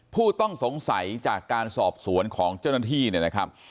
ผู้ต้องสงสัยจากการสอบสวนของเจ้าหน้าที่เนี่ยนะครับ